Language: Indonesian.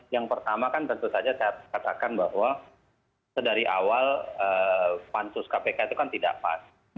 yang pertama kan tentu saja saya katakan bahwa sedari awal pansus kpk itu kan tidak pas